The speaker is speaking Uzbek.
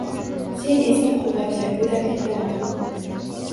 Sen esa, qulvachcha, go’daklikdanoq